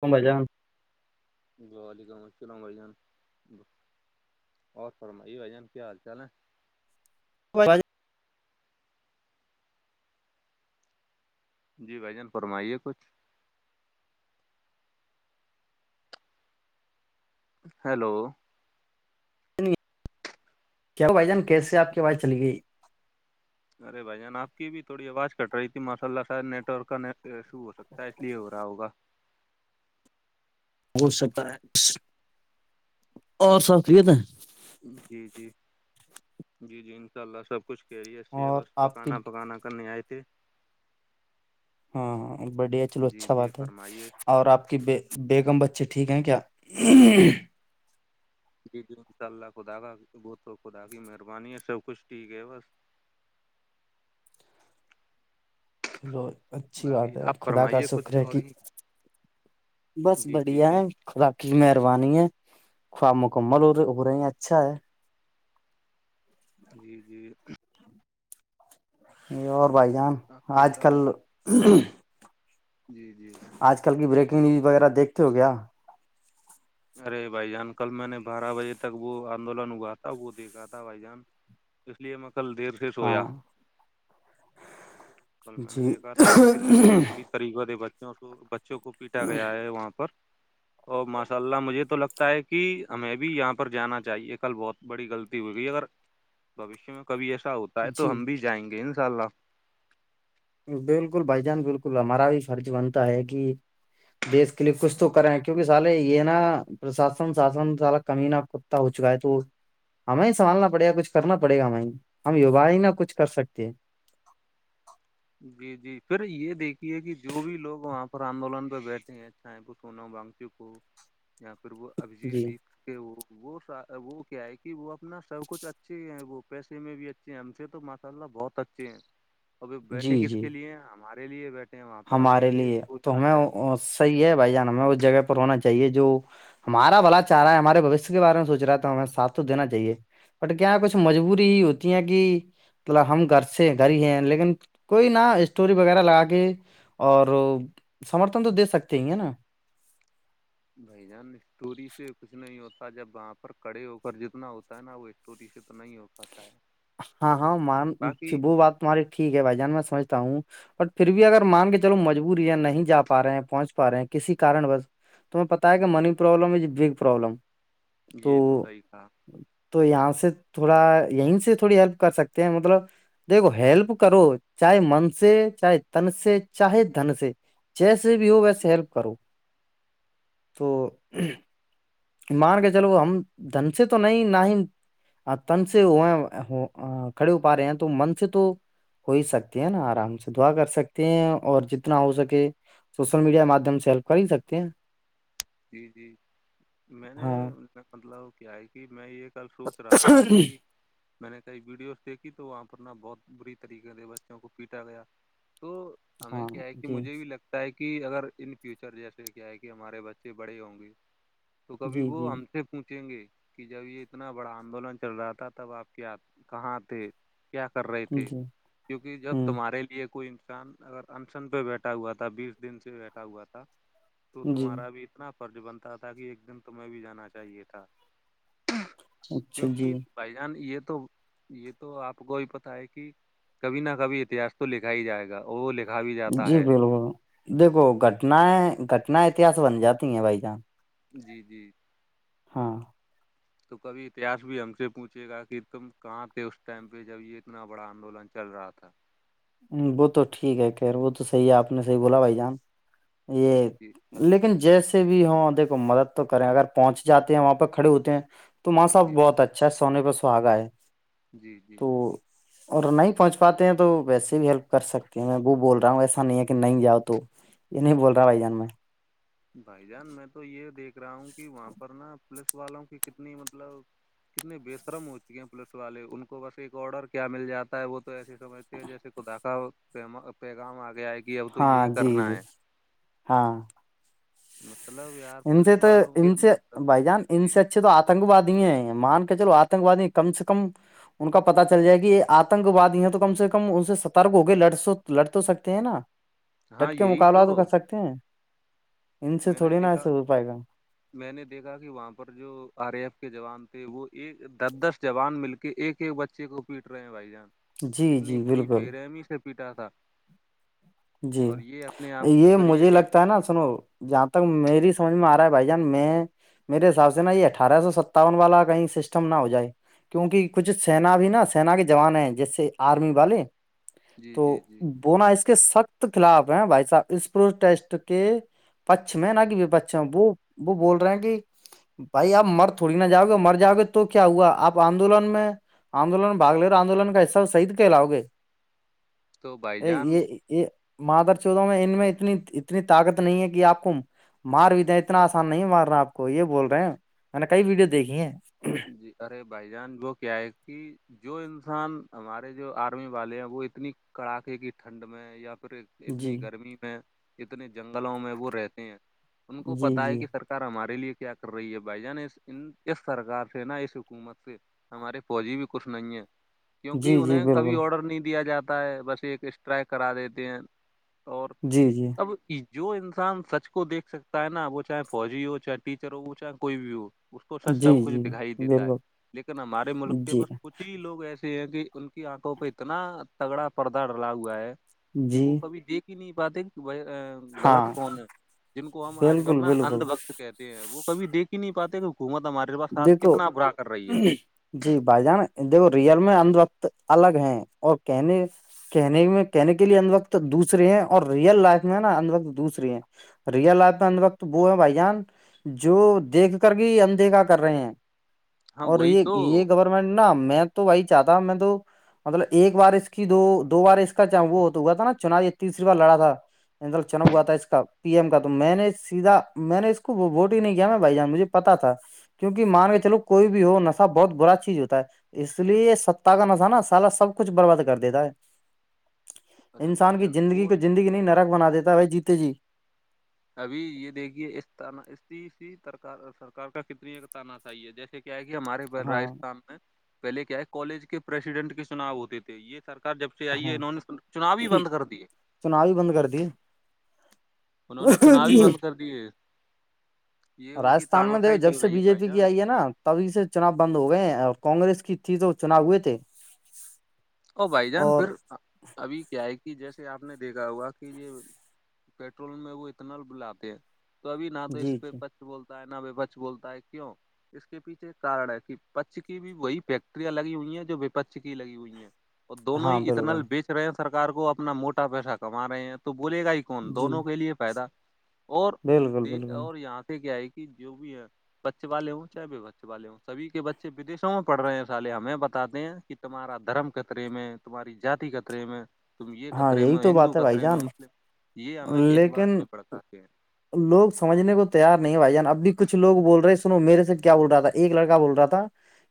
ک ب جان [unintelligible] وعلیکم السلام بھائی جان اورہ فرمائیے بھائی جان کیا حال چال ہے [inaudible] جی بھائی جان فرمائیے کچھ [unintelligible] ہیلو جان کیا بھ جان کیسے آپ کے پاس چلی گئی ارے بھائی جان آپ کی بھی تھوی آواز کٹ رہی تھی ماشء اللہ شاید نیٹ ورک کا سو ہو سکتا ہے اس لیے ہو رہا ہوگا ہو سکتا ہے اور سخصت ہے جی جی جی جی ان شاء اللہ سب کچھ کہہ رہیے اور بس آپ کی پکانا پکانا کرنے آئے تھے ہاں ہاں بڑیا ہے چلو جی اچھا جی بات ہے فرمائیے اور آپ کےے بیگم بچے ٹھیک ہیں کیا [unintelligible] جی جی انشاء اللہ خدا کا وہ تو خدا کی مہربانی ہے سب کچھ ٹھیک ہے بس [unintelligible] [unintelligible] چلو اچھی باقی بات ہے آپ خدا کا فرمائیے شکر کچھ ہے اور کہ ہی [unintelligible] بس جی جی بڑھیا جی ہے [unintelligible] خذاقی مہربانی ہے خواب مکمل ہوے اچھا ہے جی جی یہ اور بھائی جان آپ کی آج طرف کل [unintelligible] جی جی آج کل کی بریکنگ نیوز وغیرہ دیکھتے ہو کیا ارے بھائی جان کل میں نے بارہ بجے تک وہ آندولن ہوا تھا وہ دیکھا تھا بھائی جان اس لیے میںقل دیر سویا ہاں کل میں نے جی دیکھا تھا کہ کتنی پوریت طریقوں سے بچوں کو بچوں کو پیٹا گیا ہے وہاں پر اورا س اللہ مجھے تو لگتا ہے کہ ہمیں بھی یہاں پر جانا چاہیے کل بہت بڑی غلطی ہو گئی اگر بھشیہ میں کبھی ایسا ہوتا ہے تو جی ہم بھی جائیں گے انشاء اللہ بالکل بھائی جان بالکل ہمارا بھی فرض بنتا ہے کہ دیش کے لیے کچھ تو کریں کیونکہ سالے یہ نا پرشاسن ساسن سالا کمی نہا آپ کو ہو چکا ہے تو ہمیں سنبالنا پڑے گا کچھ کرنا پڑے گا ہمیں ہم یوا ہی نہ کچھ کر سکتے ہیں جی جی پھر یہ دیکھیے کہ جو بھی لوگ وہاں پر آندولن پہ بیٹھے ہیں چیں وہ سونا بانگچو کو یااں پھر وہ ابجیت جی دیک کہ وہ وہ کیا ہے کہ وہ اپنا سب کچھ اچھے ہیں وہ پیسے میں بھی [unintelligible] اچھ ہم سے تو ماشا اللہ بہت اچھے ہیں [inaudible] ابھی بیٹھے جی کس جی کے لیے ہمارے لیے بیٹھے ہیں وہاں پر ہمیں ہمارے یہ لیے تو سوچنا ہمیں چاہیے وہ- صحیح ہے بھائی جان ہمیں اس جگہ پر ہونا چاہیے جو ہمارا بلا چاہا ہے ہمارےھوشیہ کے بارے میں سوچ رہا ہے تو ہمیں سات تو دینااہیے بٹ کیا کچھ مجبوری ہی ہوتی ہیں کہ مطلب ہم گھر سے گھر ہی ہیں لیکن کوئی نہا اسٹوری وغیرہ لگا کے اور سمرتھن تو دے سکتے ہیں ہے نا بھائی جان اسٹوری سے کچھ نہیں ہوتا جب وہاں پر کڑے ہو کر جتنا ہوتا ہے نا وہ چوری سے تو نہیں ہو پاتا ہے ہاں ہاں م باقی وہ بات تمہاریے ٹھیک ہے بھائی جان میں سمجتا ہوں بٹ پھر بھی اگر مان کے چلو مجبوری ہے نہیں جا پا رہے ہیں پہنچ پا رہے ہیں کسی کارن بس تمہیں پتتا ہے کہ جی money problem is a big problem یہ صحیح کہا تو تو یہاں سے تھوڑا یہیں سے تھوڑی ہیلپ کر سکتے ہیں مطلب [unintelligible] دیکھو ہیلپ کرو چاہے من سے چاہے تن سے چاہے دن سے جیسے جی بھی ہو ویسے ہیلپ کروں تو مان کے چلو ہم دن سے تو نہیں نہ ہی تن سے ہو کھڑے ہو پا رہے ہیں تو من سے تو [unintelligible] ہو ہی سکتے ہیں نا آرام سے دعا کر سکتے ہیں اور جتنا ہو سکے سوشل میڈیا کے مادھیم ہیلپ کر ہی سکتے ہیں جی جی میں نے ان کا مطلب کیا ہے کہ میں یہ کل سوچ رہا تھا کہ [unintelligible] میں نے کئی ویڈیوز دیکھی تو وہاں پر نا بہت بری طریقے سے بچوں کو پیٹا گیا تو ہمیں کیا ہے کہ مجھے بھی لگتا ہے تا ہے کہ اگر ان فیوچر جیسے کیا ہے کہ ہمارے بچے بڑے ہوں گے تو کبھی وہ ہم سے پوچیں گے کہ جب یہ اتنا بڑا آدولن چل رہا تھا تب آپ کیا کہاں تھے کیا کر رہے تھے کیونکہ جب تمہارے لیے کوئی چاند اگر انشن پہ بیٹھا ہوا تھا بیس دن سے بیٹھا ہوا تھا تو تمہارا بھی اتنا فرض بنتا تھا کہ ایک دن تومہیں بھی جانا چاہیے تھا کیونکہ [unintelligible] بھائی جان یہ تو یہ تو آپ کو ہی پتا ہے کہ کبھی نہ کبھی اتہس تو لکھا ہی جائے گا وہ لکھا بھی جاتا جی ہے بالکل دیکھو گھٹنیں گھٹنایں اتہاس بن جاتی ہیں بھائی جان جی جی [unintelligible] ہاں [unintelligible] تو کبھی اتہس بھی ہم سے پوچھے گا کہ تم کہاں تھے اس ٹائم پہ جب یہ اتنا بڑا آندولن چل رہا تھا وہ تو ٹھیک ہے خیر وہ تو صحیح ہے آپ نے صحیح بولا بھائی جان یہ جی لیکن جیسے بھی ہم دیکو مدد تو کریں اگر پہنچ جاتے ہیں وہاں پہ کھڑے ہوتے ہیں تو ماں صاحب جی بہت اچھا ہے سونے پہ سہاگ آ ہے جی جی تو اور نہیں پہنچ پاتے ہیں تو ویسے بھی ہیلپ کر سکتے ہیں میں وہ بول رہا ہوں ایسا نہیں ہے کہ نہیں جؤ تو یہ نہیں بول رہا بھائی جان میں بھائی جان میں تو یہ دیکھ رہا ہوں کہ وہاں پر نا پولیس والوں کی کتنی مطلب کتنے بے شرم ہو چکے ہیں پولیس والے ان کو بس ایک آڈر کیا مل جاتا ہے وہ تو ایسی سمجھتی ہے جیسے کو دھا پیغام آگے آئے گ ہاں جی جی ہاں مطلب یار ان پولیس والوں کے اندر تو ج ا تو آتنکوادی ہیں مان کے چلو آتنکوادی کم سے کم ان کا پتا چل جائے کہ یہ آتنک واد یہ تو کم سے کم ان سے سترک ہو کے ل لٹ تو سکتے ہیں نا ڈٹ ہاں کے یہی مقابلہات تو کر سکتے ہیں ان سے میں نے تھوڑی نا دیکھا ایسے ہو پائے گا میں نے دیکھا کہ وہاں پر جو آر اے ایف کے جوان وہ ایک دس دس جوان مل کے ایک ایک بچے کو پیٹ رہے ہیں بھائی جان جی کتنی جی بری بالکل پیرمی سے پیٹا تھا جی اور یہ اپنے آپ کو یہ پھر مجھے کہ لگتا ہے نا سنو جہاں تک میری سمجھ میں آ رہا ہے بھائی جان میں میرے حساب سے نا یہ اٹھارہ سو ستاون والا کہیں سسٹم نہ ہو جائے کیوںکہ کچھ سینا بھی نا سین کے جوان ہیں جیسے آرمی والے جی تو جی جی بونا اس کے سخت خلاف ہیں بھائی صاحب اس پرو ٹیسٹ کے پچھم ہے نا کہ پچھا وہ وہ بول رہے ہیں کہ بھائی آپ مر تھوڑی نہ جاؤ گے مر جاؤ گے تو کیا ہوا آپ آندولن میں آندولن باگ لے اورا آندولن کا حصہ تو شہید کہ لاؤ گے تو بھائی ا جان یہ یہ [unintelligible] مادر چودوں میں ان میں اتنی اتنی طاقت نہیں ہے کہ آپ کو مار بھی دیں اتنا آسان نہیں مار رہا آپ کو یہ بول رہے ہیں میں نے کئی ویڈیو دیکھی ہیں جی ارے بھائی جان وہ کیا ہے کہ جو انسان ہمارے جو آرمی والے ہیں وہ اتنی کڑاکے کی ٹھنڈ میں یا پھر جی اتنی گرمی میں اتنے جنگلوں میں وہ رہتے ہیں ان کو جی پتا ہے جی کہ سرکار ہمارے لیے کیا کر رہی ہے بھائی جان اس سرار تھ نا اس حکومت سے ہمارے فوجی بھی کچھ نہیں ہے کیونکہ جی جی انہیں کبھی بالکل آڈر نہیں دیا جاتا ہے بس ایک اسٹرائیک کرا دیتے ہیں اور جی جی [unintelligible] اب جو انسان سچ کو دیکھ سکتا ہے نا وہ چاہے فوجی ہو چاہے ٹیچر ہو ہو چاہے کوئی بھی ہو اس کو س جی سب کچھ جی دکھائی دیتا ہے بالکل لیکن ہمارے ملک کے جی بس کچھ ہی لوگ ایسے ہیں کہ ان کی آنکھوں پہ اتنا تگڑا پردہ ڈلا ہوا ہے کہ جی وہ کبھی دیک ہی نہیں پاتے ب غلط ہاں کون ہے جن کو ہم آج کل بالکل نا بالکل اندھ وقت کہتے ہیں وہ کبھی دیک ہی نہیں پاتے کہ گھوما ہمارے پاس ساتھ کو کتنا برا کر رہی ہے [unintelligible] جی بھائی جان دیکھو ریئل میں اند وقت الگ ہے اور کہنے کہنے میں کہنے کے لیے اندھ وقت دوسرے ہیں اور ریئل لائف میں نا اندھ وقت دوسرری ہیں ریئل لائف میں ان وقت وہ ہے بھائی جان جو دیکھ کر گ اندیکھا کر کر رہے ہیں ہاں اور وہی تو یہ یہ گورنمنٹ نہا میں تو وہی چاہتا ہ میں تو مطلب ایک بار اس کی دو دو بار اس کا وہ تو ہوا تھا نا چنای تیسری بار لڑا تھا اندر چنا ہوا تھا اس کا پی ایم کا تو میں نے سیدھا میں نے اس کو ووٹ ہی نہیں کیا میں بھائی جان مجھے پتا تھا کیونکہ مان کے چلو کوئی بھی ہو نشہ بہت برا چیز ہوتا ہے اس لیے ستا کا نسہ نا سالا سب کچھ برباد کر دیتا ہے ارے بھائی انسان کی جان زندگی کوڑ کو زندگی نہیں نرک بنا دیتا بھائی جیتے جی ابھی یہ دیکھیےی سرار کا کتنی تعینات صحیحے جیسے کیا ہے کہ ہمارے پھر ہاں راجستھان میں پہل کیا ہے کالج کے پرریسیڈنٹ کے چناؤ ہوتے تھے یہ سرک جب سے آئیے انہوں نے چناؤ ہی بند کر دیے چناو بند کر دیے انہوں نے چناؤ ہی بند کر دیے یہ ان کی رجستھان میں دیکھو تاناشاہی جب چل سے رہی بی ہے جے بھائی پی کی جان آئی ہے نا تبھی سے چناؤ بند ہو گئے ہیں اور کگریس کی تھی تو چناؤ ہوئے تھے ا بھائی جان اور پھر ابھی کیا ہے کہ جیسے آپ نے دیکھا ہوا کہ یہ پیٹرول میں وہ اتنا بلاتے ہیں تو ابھی نہ تو جی اس پہ جی سچھ بولتا ہے نہ بے بچ بولتا ہے کیوں اس کے پیچے ایک کار ہے کہ پچھ کی بھی وہی فیکٹریاں لگی ہوئی ہیں جو وپش کی لگی ہوئی ہیں اور دونوں ہاں ہی اتن بالکل بیچ رہے ہیں سرار کو اپنا موٹا پیسہ کما رہے ہیں تو بولے گا ن جی دونوں کے لیے فائدہ اور بالکل د بالکل اور یہاں سے کیا ہے کہ جو بھی ہے پقش والے ہوں چاہے وپقش والے ہووں سبی کے بچےودیشوں میں پڑ رہے ہیں سالے ہمیں بتاتے ہیں کہ تمہارا دھرم خطرے میں تمہاری جاتی خطرے میں تم یہ ہاں خطرے یہی میں تو ہندو بات ہے بھائی خطرے میں جان مسلم یہ ہمیں اس بات لیکن پہ بڑکاتے ہیں لوگ سجھنے کو تیار نہیں ہے بھائی جان اب بھی کچھ لو بول رہے ہیں سنو میرے سے کیا بول رہا تھا ایک لڑکا بول رہا تھا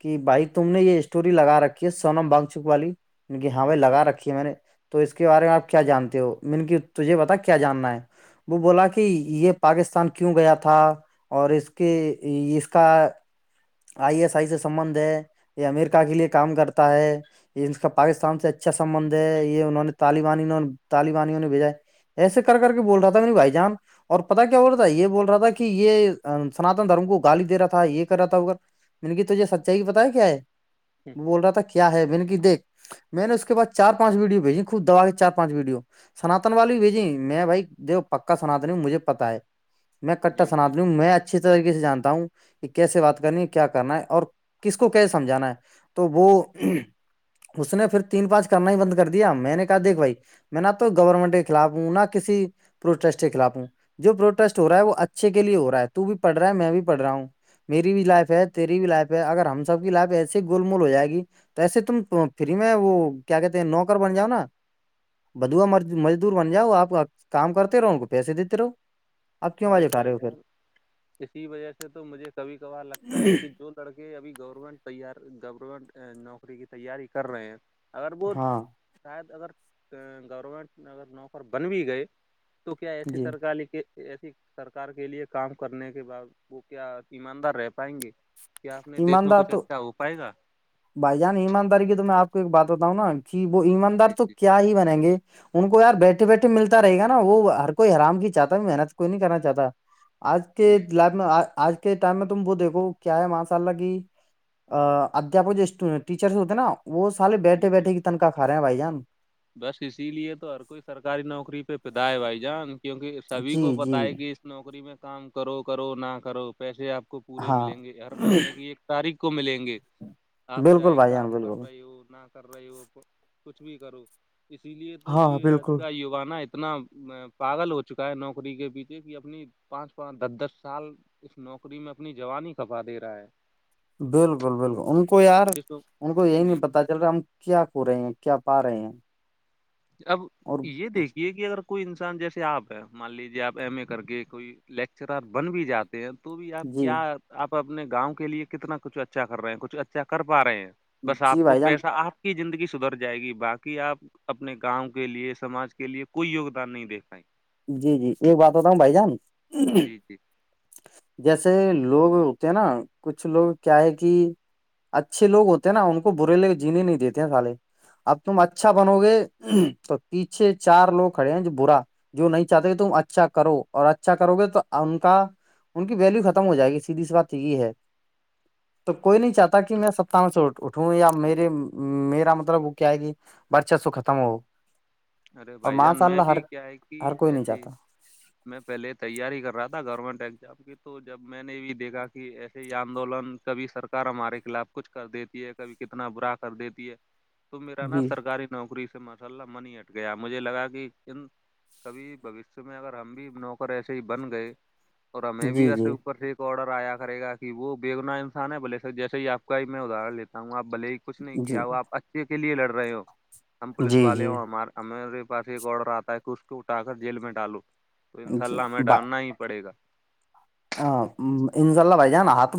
کہ بھائی تم نے یہ اسٹوری لگا رکھی ہے سونم بانگ چک والی ان کی ہاں بیں جی جی لگا رکھی ہے میں نے تو اس کے بارے میں آپ کیا جانتے ہو م کی تجھے بتا کیا جاننا ہے وہ بولا کہ یہ پاکستان کیوں گیا تھا اور اس کے اس کا آئی ایس آئی سے سبندھ ہے یہ امرکا کے لیے کام کرتا ہے یہ ان کا پاکستان سے اچھا سبندھ ہے یہ انہوں نے طالبانی طالبانیوں نے بھیجا ہے ایسے کر کے بول رہا تھا نہیں بھائی جان اور پتا کیا بول رہ تھا ہے یہ بول رہا تھا تھا کہ جی یہ سنااتن دھرم کو گالی دے رہا تھا یہ کر رہا تھا اگر من کیی توج یہ سچائی کی بتایا کیا ہے وہ بول رہا تھا ہے بینکی دیکھ میں نے اس کے بعد چار پانچ ویڈیو بھیجی خوب دبا کے چار پانچ ویڈیو سنتن والی بھیجی جی میں بھائی دیو پکا سنتن ہی مجھے پتا ہے میں کٹر جی جی سناتی ہوں میں اچھیے طریقے سے جانتا ہوں کہ کیسے بات کرنی کیا کرنا ہے اور کس کو کیا سمجھانا ہے تو وہ اس نے پھر تین پانچ کرنا ہی بند کر دیا میں نے کہا دیکھ بھائی میں نہ تو گورنمنٹ کے خلاف ہوں نہ کسی پروٹیسٹ کے خلاف ہوں جو پروٹیسٹ ہو رہا ہے وہ اچھے کے لیے ہو رہا ہے تو بھی پڑ رہا ہے میں بھی پڑ رہا ہوں میری بھی لائف ہے تیری بھی لائف ہے اگر ہم سب کی لائف ایسے گول مول ہو جائے گی تو ایسے تم فری میں وہ کیا کہتے ہیں نوکر بن جاؤ نا بدوا مزدور بن جاؤ آپ کام کرتے رہو ان کو پیسے دیتے رہو آپ کیوں آواز ارے اٹھا بھائی رہے ہو پھر جان اسی وجہ سے تو مجھے کبھی کبھار لگتا ہے کہ جو لڑکے ابھی گورنمنٹ تیار گورنمنٹ نوکری کی تیاری کر رہے ہیں اگر وہ ہاں شاید اگر گورمنٹ میں اگر نوکر بن بھی گئے تو کیا ایسی جی سرکاری کے ایسی سرکار کے لیے کام کرنے کے بعد وہ کیا ایماندار رہ پائیں گے کیا اپنے دیش میں ایماندار کچھ تو اچھا ہو پائے گا بھائی جان ایمانداری کی تو میں آپ کو ایک بات بتاؤں نا کہ وہ ایماندار جی تو جی کیا ہی بنیں گے ان کو یار بیٹھے بیٹھے ملتا رہے گا نا وہ ہر کوئی آرام کی چاہتا ہے محنت کوئی نہیں کرنا چاہتا آج کے جی لائف میں آج کے ٹائم میں تم وہ دیکھو کیا ہے م اللہ کی ادھپک جو ٹیچرس ہوتے ہیں نا وہ سارے جی بیٹھے جی بیٹھے کی مفت کا کھا رہے ہیں بھائی جان بس اسی لیے تو ہر کوئی سرکاری نوکری پہ پیدا ہے بھائی جان کیونکہ سبھی جی کو جی پتا ہے کہ نوکری میں کام کرو کرو نہ کرو پیسے آپ کو پورے ہاں ملیں گے ہر مہینے کی ایک [unintelligible] تاریخ کو ملیں گے آپ بالکل چاہے بھائی جان کام کر بالکل رہے ہو نہ [unintelligible] کر رہے ہو کچھ بھی کرو اسی لیے تو ہاں یہ آج بالکل کا یواانا انا [unintelligible] اتنا پاگل ہو چکا ہے نوکری کے پیچے کہ اپنی پانچ پانچ دس دس سال [unintelligible] اس نوکری میں اپنی جوانی ہی کبا دے رہا ہے بالکل بالکل ان کو یار ان کو یہی جی نہیں جی پتا چل رہا ہے ہم کیا ہو رہے ہیں کیا پا رہے ہیں [unintelligible] اب اور یہ دیکھ یہ کہ اگر کوئی انسان جیسے آپ ہیں مان لیجیے آپ ایم اے کر کے کوئی لیکچرار بن بھی جاتے ہیں تو بھی آپ جی کیا آپ اپنے گاؤں کے لیے کتنا کچھ اچھا کر رہے ہیں کچھ اچھا کر پا رہے ہیں بس جی آپ کو بھائی جان پیسہ آپ کی زندگی سدھر جائے گی باقی آپ اپنے گاؤں کے لیے سماج کے لیے کوئی یوگدان نہیں دےھ پیں جی جی ایک بات بتا ہوں بھائی جان جی جی جیسے لوگ ہوتے ہیں نا کچھ لوگ کیا ہے کہ اچھے لوگ ہوتے نا ان کو برے لگے جینے نہیں دیتے ہیں سالے اب تم اچھا بنو گے تو پیچھے چار لوگ کھڑے ہیں جو برا جو نہیں چاہتے تم اچھا کرو اور اچھا کرو گے تو ان کا ان کی ویلو ختم ہو جائے گی سیدھی سی بات یہی ہے تو کوئی نہیں چاہتا کہ میں سب میں سے اٹھوں یا میرے میرا مطلب وہ کیا ہے کہ بر چا سو ختم ہو ارے اور بھائی جان میں بھی کیا ہے کہ ایسے ہی فف میں پہلے تیاری کر رہا تھا گورنمنٹ ایگزام کی تو جب میں نے بھی دیکھا کہ ایسے ہی یہ آندولن کبھی سرکار ہمارے خلاف کچھ کر دیتی ہے کبھی کتنا برا کر دیتی ہے ج ت میرا نا سرکاری نوکری سے ماشاء اللہ منی ہٹ گیا مجھے لگا کہ کبھی بوشیہ میں اگر ہم بھی نوکر ایسے ہی بن گئے اور ہمیں بھی جی ایسے جی اوپر سے آرڈر آیا کرے گا کہ وہ بیےگنا انسان ہے بلے سے جیسے ہی آپ کا ہی میں ادہر لیتا ہوں آپ بلے ہی کچھ نہیں جی کیا وہ آپ اچھے کے لیے لڑ رہے ہو ہم پولیس جی والے جی ہ ہمار ہمے پاس ایک آڈر آتا ہے کہ اس کو اٹا کر جیل میں ڈالو تو اناء جی اللہ ہمیں ڈالنا ہی پڑے گا ہ انشاء اللہ بھائی جانا ہ تو